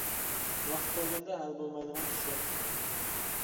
ۋاقتى كەلگەندە ھەل بولمايدىغان ئىش يوق.